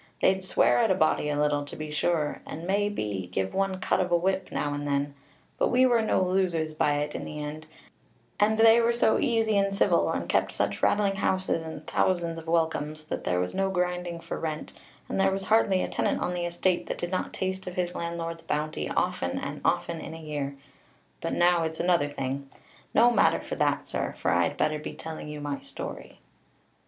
They'd swear at a body a little, to be sure, and, may be, give one a cut of a whip now and then, but we were no losers by it in the end; and they were so easy and civil, and kept such rattling houses, and thousands of welcomes; and there was no grinding for rent, and there was hardly a tenant on the estate that did not taste of his landlord's bounty often and often in a year; but now it's another thing. No matter for that, sir, for I'd better be telling you my story.